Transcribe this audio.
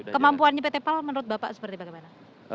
kemampuannya pt pal menurut bapak seperti bagaimana